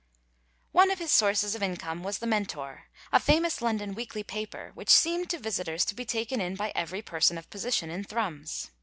One of his sources of income was the Mentor, a famous London weekly paper, which seemed to visitors to be taken in by every person of position in Thrums.